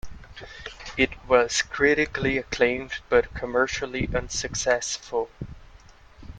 It was critically acclaimed but commercially unsuccessful.